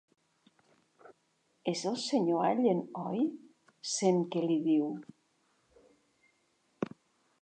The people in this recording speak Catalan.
És el senyor Allen, oi? —sent que li diu—.